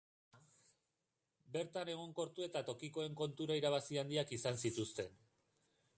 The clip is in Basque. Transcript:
Bertan egonkortu eta tokikoen kontura irabazi handiak izan zituzten.